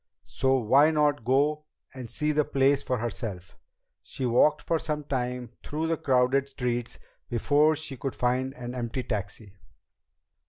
So why not go and see the place for herself? She walked for some time through the crowded streets before she could find an empty taxi.